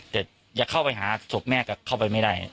แต่จะเข้าไปหาศพแม่ก็เข้าไปไม่ได้